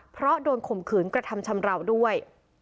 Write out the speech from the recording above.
เพราะโดนข่มขืนกระทำชำราวด้วย